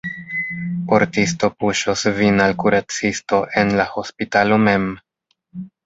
Portisto puŝos vin al kuracisto en la hospitalo mem!